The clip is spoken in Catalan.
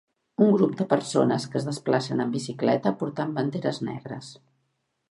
Un grup de persones que es desplacen amb bicicleta portant banderes negres.